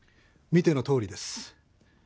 見てのとおりです。